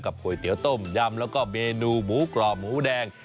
ก๋วยเตี๋ยวต้มยำแล้วก็เมนูหมูกรอบหมูแดง